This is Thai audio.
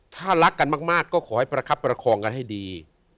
ถ้ารักกันมากก็ขอให้ประคับประคองกันให้ดี